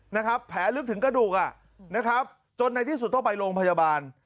นะครับแผลลึกถึงกระดูกอ่ะนะครับจนในที่สุดต้องไปโรงพยาบาล